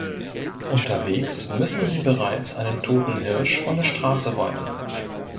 Unterwegs müssen sie bereits einen toten Hirsch von der Straße räumen.